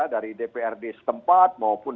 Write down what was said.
dari dprd setempat maupun